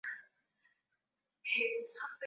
Meskhetian walikwenda Amerika chini ya mpango mkubwa